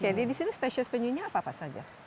oke jadi di sini spesies penyunya apa saja